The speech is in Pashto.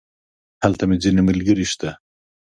هلته مې ځينې ملګري شته.